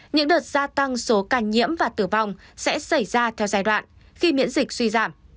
những đợt gia tăng số ca nhiễm và tử vong sẽ xảy ra theo giai đoạn khi miễn dịch suy giảm